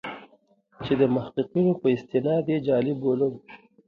چې د محققینو په استناد یې جعلي بولم.